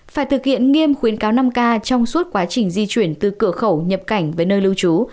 phải thực hiện nghiêm khuyến cáo năm k trong suốt quá trình di chuyển từ cửa khẩu nhập cảnh về nơi lưu trú